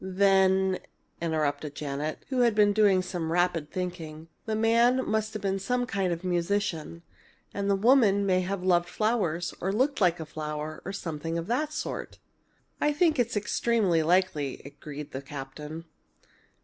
"Then," interrupted Janet, who had been doing some rapid thinking, "the man must have been some kind of a musician, and the woman may have loved flowers, or looked like a flower, or something of that sort." "I think it extremely likely," agreed the captain.